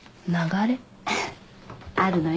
あるのよ